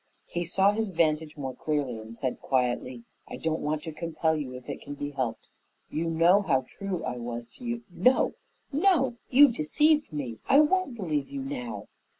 He saw his vantage more clearly and said quietly, "I don't want to compel you if it can be helped. You know how true I was to you " "No, no! You deceived me. I won't believe you now."